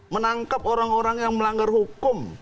menangkap orang orang yang melanggar hukum